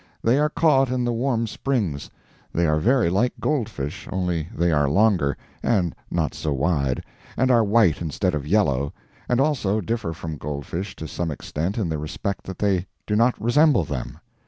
They are caught in the Warm Springs. They are very like gold fish, only they are longer, and not so wide, and are white instead of yellow, and also differ from gold fish to some extent in the respect that they do not resemble them.